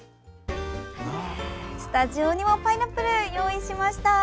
スタジオにもパイナップルをご用意しました。